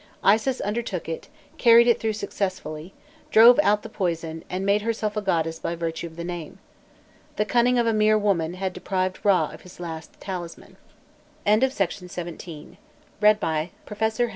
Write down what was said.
Isis undertook it, carried it through successfully, drove out the poison, and made herself a goddess by virtue of the name. The cunning of a mere woman had deprived Râ of his last talisman. In course of time men perceived his decrepitude.